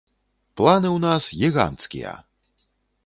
Планы ў нас гіганцкія.